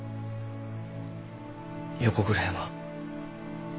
横倉山。